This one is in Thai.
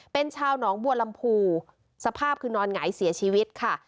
เป็นชาวหนองบัวลำพูสภาพคือนอนหงายเสียชีวิตค่ะ